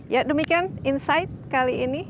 ya demikian insight kali ini